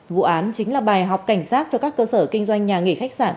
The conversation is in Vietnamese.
vụ án chính là bài học cảnh giác cho các cơ sở kinh doanh nhà nghỉ khách sạn